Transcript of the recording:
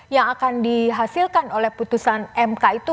yang akan dihasilkan oleh putusan mk itu